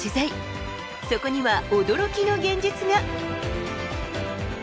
そこには驚きの現実が。